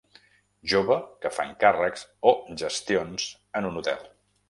Jove que fa encàrrecs o gestions en un hotel.